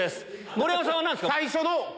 盛山さんは何ですか？